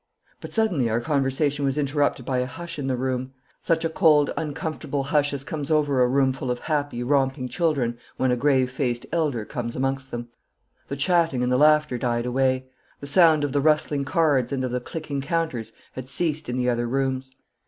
But suddenly our conversation was interrupted by a hush in the room such a cold, uncomfortable hush as comes over a roomful of happy, romping children when a grave faced elder comes amongst them. The chatting and the laughter died away. The sound of the rustling cards and of the clicking counters had ceased in the other rooms.